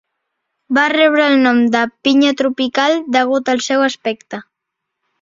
Va rebre el nom de "Pinya tropical" degut al seu aspecte.